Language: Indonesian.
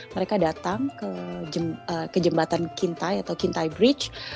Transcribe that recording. mereka datang ke jembatan kintai atau kintai bridge